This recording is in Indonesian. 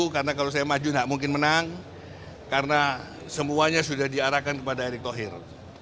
karena kalau saya maju tidak mungkin menang karena semuanya sudah diarahkan kepada erick thokir